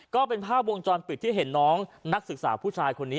ก็เป็นภาพวงจรปิดที่เห็นน้องนักศึกษาผู้ชายคนนี้